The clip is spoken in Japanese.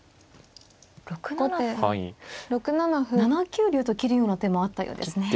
７九竜と切るような手もあったようですね。